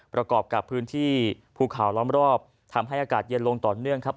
ประกอบกับพื้นที่ภูเขาล้อมรอบทำให้อากาศเย็นลงต่อเนื่องครับ